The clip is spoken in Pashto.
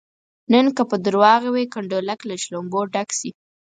نن که په درواغو وي کنډولک له شلومبو ډک شي.